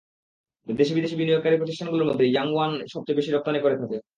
দেশে বিদেশি বিনিয়োগকারী প্রতিষ্ঠানগুলোর মধ্যে ইয়াংওয়ান সবচেয়ে বেশি রপ্তানি করে থাকে।